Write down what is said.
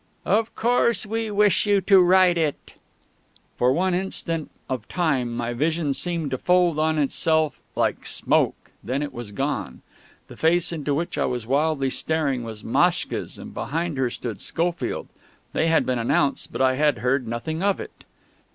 "Of course we wish you to write it...." For one instant of time my vision seemed to fold on itself like smoke; then it was gone. The face into which I was wildly staring was Maschka's, and behind her stood Schofield. They had been announced, but I had heard nothing of it.